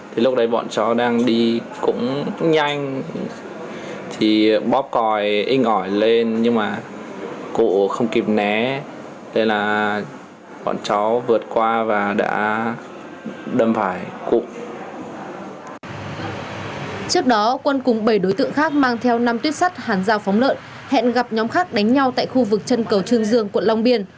trước đó quân cùng bảy đối tượng khác mang theo năm tuyết sắt hàn giao phóng lợn hẹn gặp nhóm khác đánh nhau tại khu vực chân cầu trương dương quận long biên